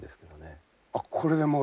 あっこれでもう老木？